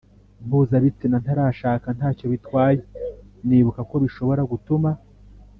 Mpuzabitsina ntarashaka nta cyo bitwaye nibuka ko bishobora gutuma